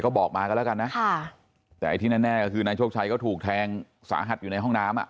ก็บอกมากันแล้วกันนะค่ะแต่ไอ้ที่แน่ก็คือนายโชคชัยก็ถูกแทงสาหัสอยู่ในห้องน้ำอ่ะ